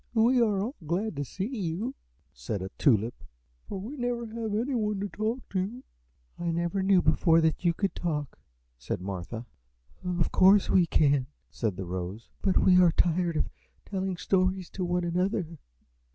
"We all are glad to see you," said a Tulip, "for we never have anyone to talk to." "I never knew before that you could talk," said Martha. "Of course we can," said the Rose, "but we are tired of telling stories to one another."